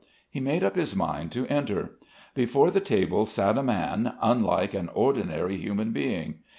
He made up his mind to enter. Before the table sat a man, unlike an ordinary human being.